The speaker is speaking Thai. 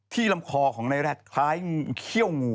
ที่ลำคอของนายแรทคล้ายเฮี่ยวงู